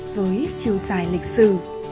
với chiều dài lịch sử